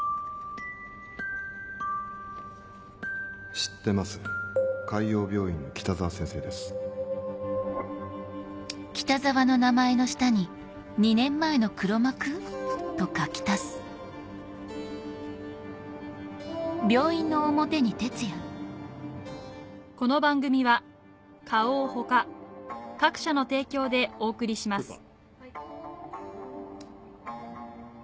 「知ってます海王病院の北澤先生ですあっ先生！